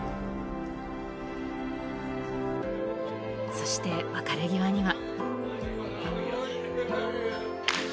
そして、別れ際には。